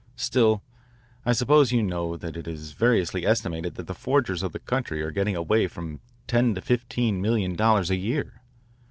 Still, I suppose you know that it is variously estimated that the forgers of the country are getting away with from ten to fifteen million dollars a year.